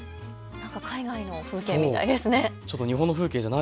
海外の風景みたいですね。